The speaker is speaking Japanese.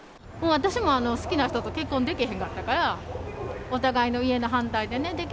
私も好きな人と結婚できへんかったから、お互いの家の反対でね、でき